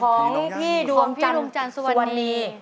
ของพี่ดวงส่วนนี้